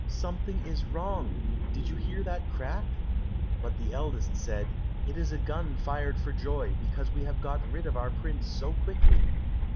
"Something is wrong, did you hear the crack?" But the eldest said, "It is a gun fired for joy, because we have got rid of our prince so quickly."